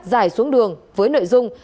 giải xuống đường với nội dung